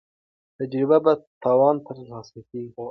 تجربه په تاوان ترلاسه کیږي.